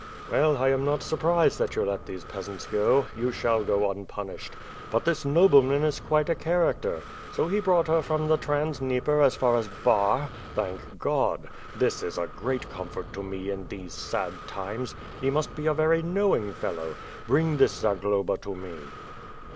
"Well, I am not surprised that you let these peasants go. You shall go unpunished. But this nobleman is quite a char acter. So he brought her from the Trans Dnieper as far as Bar? Thank God! This is a great comfort to me in these sad times. He must be a very knowing fellow. Bring this Zagloba to me!"